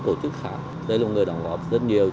tổ chức khác đây là một người đồng hợp rất nhiều